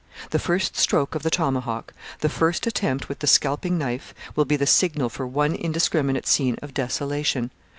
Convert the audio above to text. The first stroke of the tomahawk, the first attempt with the scalping knife, will be the signal for one indiscriminate scene of desolation!